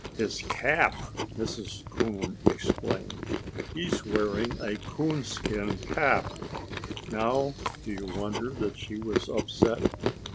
"His cap!" Mrs. Coon exclaimed. "He is wearing a coon skin cap!" Now do you wonder that she was upset?